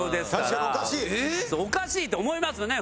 そうおかしいと思いますよね。